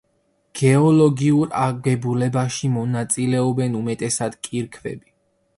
გეოლოგიურ აგებულებაში მონაწილეობენ უმეტესად კირქვები.